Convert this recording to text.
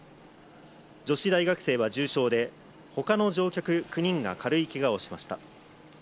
女子大学生は重傷で他の乗客９人が軽いけがをしました。